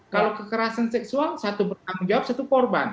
kalau kekerasan seksual satu bertanggung jawab satu korban